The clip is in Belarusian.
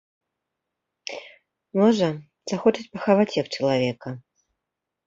Можа, захочуць пахаваць як чалавека.